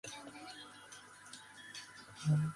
桜も散ってこの通りもさびしくなるな